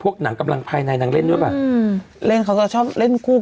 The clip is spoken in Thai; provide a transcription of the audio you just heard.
หนังกำลังภายในนางเล่นด้วยป่ะอืมเล่นเขาจะชอบเล่นคู่